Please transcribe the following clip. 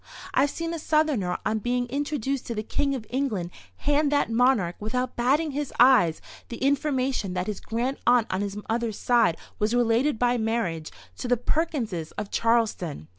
I've seen a Southerner on being introduced to the King of England hand that monarch, without batting his eyes, the information that his grand aunt on his mother's side was related by marriage to the Perkinses, of Charleston.